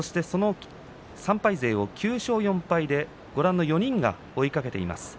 ３敗勢を９勝４敗でご覧の４人が追いかけています。